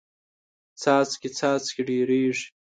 څاڅکې څاڅکې ډېریږي.